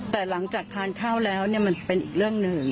แต่หลังจากทานข้าวแล้วมันเป็นอีกเรื่องหนึ่ง